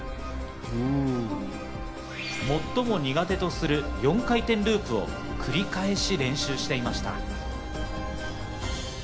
最も苦手とする４回転ループを繰り返し練習していました。